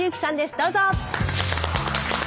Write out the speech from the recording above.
どうぞ！